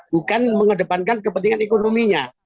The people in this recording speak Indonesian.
bukan mengedepankan kepentingan ekonominya